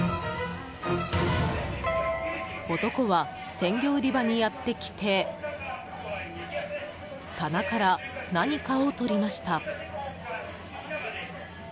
男は鮮魚売り場にやってきて棚から何かを取りました。